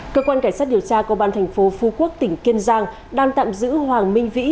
cơ quan cảnh sát điều tra công an thành phố phú quốc tỉnh kiên giang đang tạm giữ hoàng minh vĩ